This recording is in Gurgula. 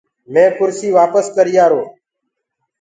مينٚ ڪُرسي وآپس ڪريآرو۔